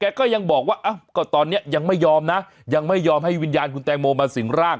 ก็ยังบอกว่าก็ตอนนี้ยังไม่ยอมนะยังไม่ยอมให้วิญญาณคุณแตงโมมาสิ่งร่าง